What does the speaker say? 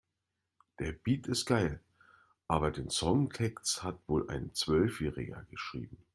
Der Beat ist geil, aber den Songtext hat wohl ein Zwölfjähriger geschrieben.